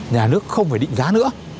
nhà nước không phải định giá nữa